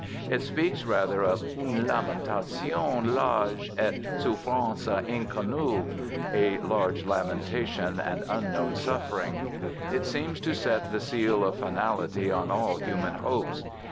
"It speaks, rather, of une lamentation large et souffrance inconnue—a large lamentation and unknown suffering. It seems to set the seal of finality on all human hopes.